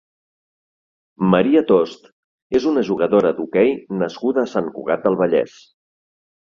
Maria Tost és una jugadora d'hoquei nascuda a Sant Cugat del Vallès.